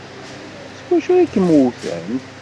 S wacu ay kem-wten?